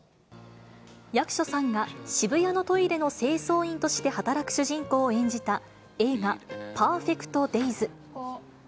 役所さんが渋谷のトイレの清掃員として働く主人公を演じた映画、ＰＥＲＦＥＣＴＤＡＹＳ。